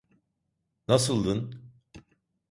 Nasıldın?